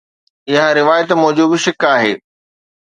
اها روايت موجب شڪ آهي